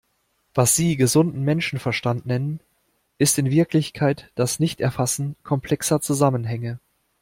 Was Sie gesunden Menschenverstand nennen, ist in Wirklichkeit das Nichterfassen komplexer Zusammenhänge.